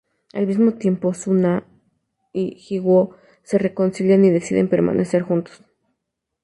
Al mismo tiempo, Su-na y Ji-woo se reconcilian y deciden permanecer juntos.